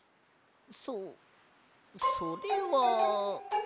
そそれは。